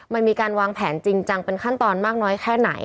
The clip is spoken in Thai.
มันมีการวางแผนจริงจังเป็นขั้นตอนมากน้อยแค่ไหน